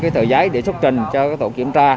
tờ giấy để xuất trình cho tổ kiểm tra